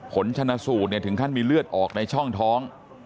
ผลชนะสูตรถึงขั้นมีเลือดออกในช่องท้อง